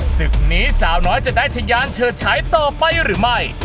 ศึกนี้สาวน้อยจะได้ทะยานเฉิดฉายต่อไปหรือไม่